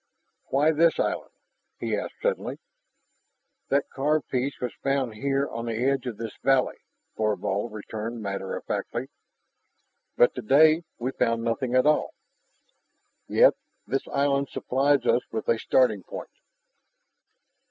"Why this island?" he asked suddenly. "That carved piece was found here on the edge of this valley," Thorvald returned matter of factly. "But today we found nothing at all " "Yet this island supplies us with a starting point."